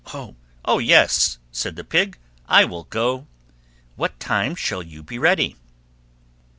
"Oh, yes," said the Pig, "I will go; what time shall you be ready?"